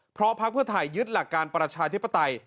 เพราะพักเพื่อไทยยึดหลักการประชาธิปไตย